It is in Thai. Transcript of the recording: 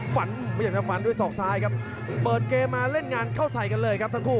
พยายามจะฝันด้วยศอกซ้ายครับเปิดเกมมาเล่นงานเข้าใส่กันเลยครับทั้งคู่